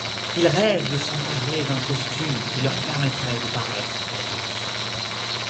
Ils rêvent de s'emparer d'un costume qui leur permettrait de paraître adultes.